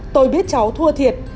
tôi biết cháu thua thiệt